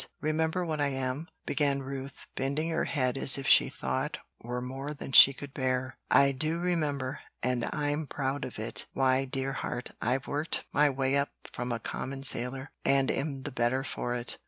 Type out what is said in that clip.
Remember what I am," began Ruth, bending her head as if the thought were more than she could bear. "I do remember, and I'm proud of it! Why, dear heart, I've worked my way up from a common sailor, and am the better for it.